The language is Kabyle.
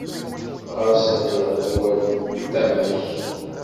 Ɣas ad iɣli walef d tama-k.